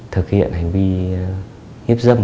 thực hiện hành vi hiếp dâm